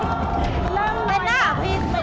เริ่มหน่อยนะเป็นหน้าพิษไหมนะ